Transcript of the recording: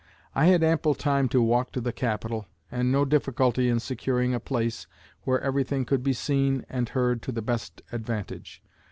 I had ample time to walk to the Capitol, and no difficulty in securing a place where everything could be seen and heard to the best advantage.